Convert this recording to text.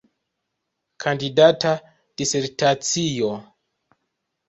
Kandidata disertacio.